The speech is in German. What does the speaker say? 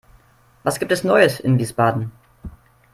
Was gibt es Neues in Wiesbaden?